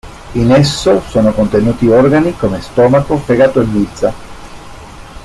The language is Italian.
In esso sono contenuti organi come stomaco, fegato e milza.